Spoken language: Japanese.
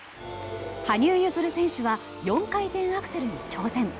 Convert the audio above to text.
羽生結弦選手は４回転アクセルに挑戦。